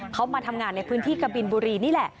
เขามาทำงานในพื้นที่กบินบุรีนี่แหละ